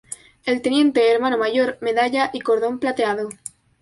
El teniente hermano mayor medalla y cordón plateado.